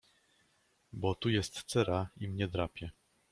— Bo tu jest cera i mnie drapie.